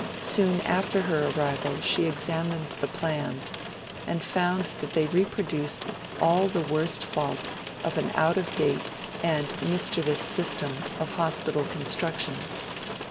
Soon after her arrival she examined the plans, and found that they reproduced all the worst faults of an out of date and mischievous system of hospital construction.